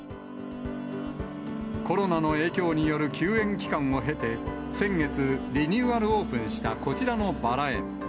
コロナの影響による休園期間を経て、先月、リニューアルオープンしたこちらのバラ園。